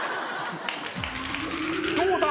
どうだ？